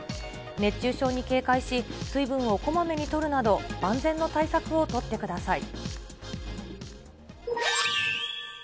熱中症に警戒し、水分をこまめにとるなど万全の対策を取ってください。